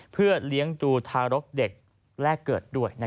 เพื่อเลี้ยงดูทารกเด็กแรกเกิดด้วย